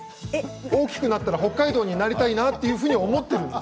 大きくなったら北海道になりたいなと思っているんです。